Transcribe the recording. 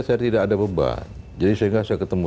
saya tidak ada beban jadi sehingga saya ketemu